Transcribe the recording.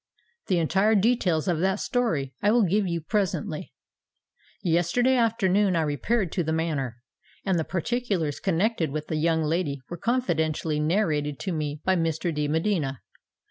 The entire details of that story I will give you presently. Yesterday afternoon I repaired to the Manor, and the particulars connected with the young lady were confidentially narrated to me by Mr. de Medina.